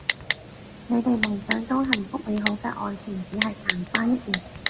你哋夢想中幸福美好嘅愛情只係曇花一現